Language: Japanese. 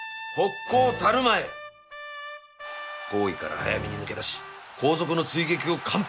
好位から早めに抜け出し後続の追撃を完封